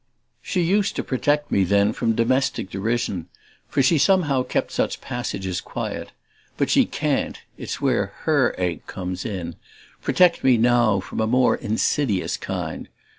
She used to protect me then from domestic derision for she somehow kept such passages quiet; but she can't (it's where HER ache comes in!) protect me now from a more insidious kind.